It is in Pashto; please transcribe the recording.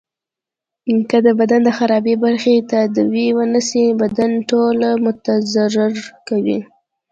که د بدن د خرابي برخی تداوي ونه سي بدن ټول متضرر کوي.